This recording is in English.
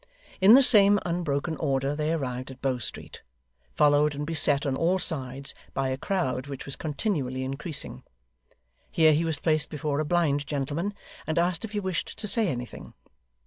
In the same unbroken order they arrived at Bow Street, followed and beset on all sides by a crowd which was continually increasing. Here he was placed before a blind gentleman, and asked if he wished to say anything.